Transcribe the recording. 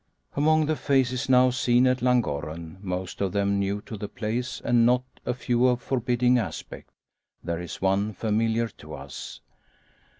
Among the faces now seen at Llangorren most of them new to the place, and not a few of forbidding aspect there is one familiar to us.